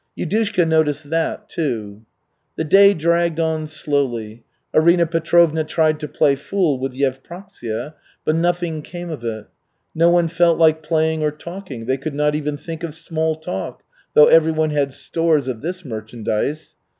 Yudushka noticed that, too. The day dragged on slowly. Arina Petrovna tried to play fool with Yevpraksia, but nothing came of it. No one felt like playing or talking; they could not even think of small talk, though everyone had stores of this merchandise.